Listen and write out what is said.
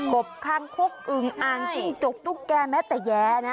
บคางคกอึงอ่างจิ้งจกตุ๊กแก่แม้แต่แย้นะ